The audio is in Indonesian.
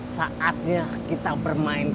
saatnya kita harus berhenti